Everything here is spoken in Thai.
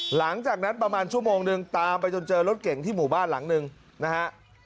หลังจากนั้นประมาณชั่วโมงนึงตามไปจนเจอรถเก่งที่หมู่บ้านหลังหนึ่งนะฮะ